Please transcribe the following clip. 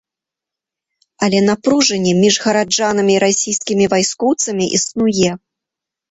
Але напружанне між гараджанамі і расійскімі вайскоўцамі існуе.